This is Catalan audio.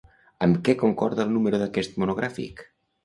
Amb què concorda el número d'aquest monogràfic?